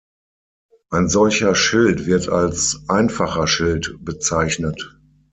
Ein solcher Schild wird als einfacher Schild bezeichnet.